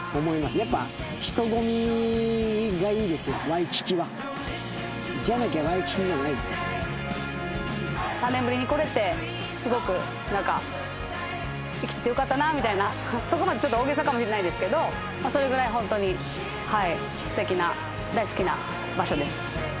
やっぱじゃなきゃワイキキじゃない３年ぶりに来れてすごく何か生きててよかったなみたいなそこまでちょっと大げさかもしれないですけどそれぐらいホントにはい素敵な大好きな場所です